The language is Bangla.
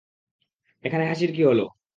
এখানে হাসির কী হলো?